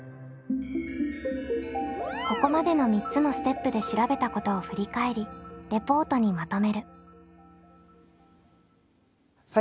ここまでの３つのステップで調べたことを振り返りレポートにまとめる。